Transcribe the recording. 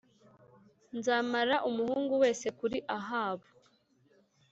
nzamara umuhungu wese kuri Ahabu